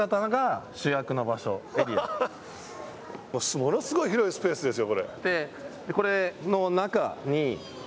ものすごい広いスペースですよ。